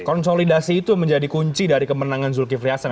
konsolidasi itu menjadi kunci dari kemenangan zulkifli hasan